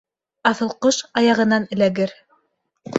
Аҫыл ҡош аяғынан эләгер.